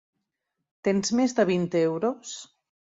Tens més de vint euros?